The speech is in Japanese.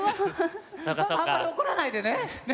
あんまりおこらないでね！ね？